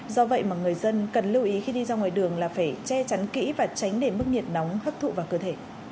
do vậy mà người dân cần lưu ý khi đi ra ngoài đường là phải che chắn kỹ và tránh để mức nhiệt nóng hấp thụ vào cơ thể